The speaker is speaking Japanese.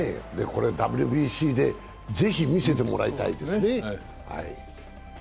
ＷＢＣでぜひ見せてもらいたいですね。